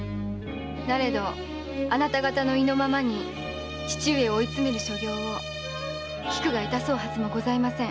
なれどあなた方の意のままに父上を追い詰める所業を菊が致そうはずもございません。